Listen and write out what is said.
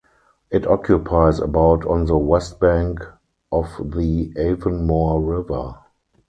It occupies about on the west bank of the Avonmore River.